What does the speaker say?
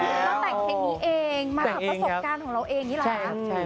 เราแต่งเพลงนี้เองมากับประสบการณ์ของเราเองนี่แหละ